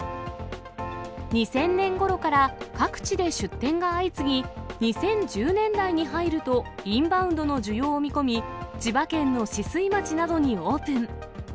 ２０００年ごろから各地で出店が相次ぎ、２０１０年代に入ると、インバウンドの需要を見込み、千葉県の酒々井町などにオープン。